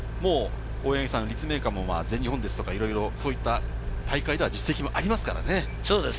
立命館も全日本ですとか、いろんな大会では実績もありますからね。